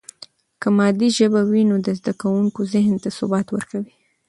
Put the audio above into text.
که مادي ژبه وي، نو د زده کوونکي ذهن ته ثبات ورکوي.